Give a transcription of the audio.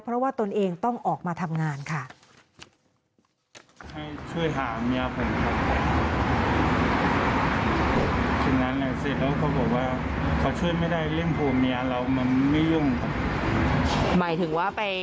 เพราะว่าตนเองต้องออกมาทำงานค่ะ